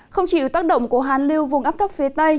không chịu tác động của hàn liêu vùng gấp thấp phía tây